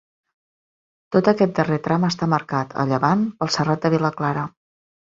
Tot aquest darrer tram està marcat, a llevant, pel Serrat de Vilaclara.